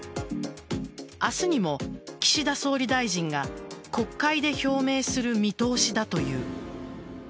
明日にも岸田総理大臣が国会で表明する見通しだという。